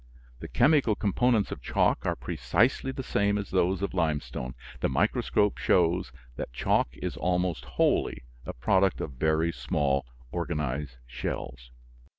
The chemical components of chalk are precisely the same as those of limestone. The microscope shows that chalk is almost wholly a product of very small organized shells.